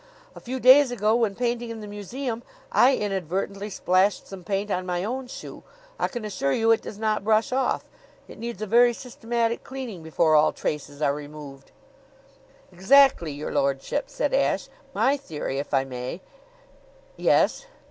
A few days ago, when painting in the museum, I inadvertently splashed some paint on my own shoe. I can assure you it does not brush off. It needs a very systematic cleaning before all traces are removed." "Exactly, your lordship," said Ashe. "My theory, if I may " "Yes?"